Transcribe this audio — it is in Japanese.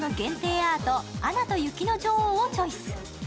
アート、「アナと雪の女王」をチョイス。